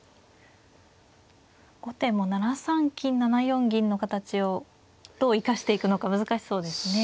後手も７三金７四銀の形をどう生かしていくのか難しそうですね。